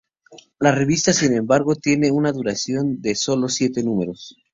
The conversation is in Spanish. La revista, sin embargo, tiene una duración de sólo siete números.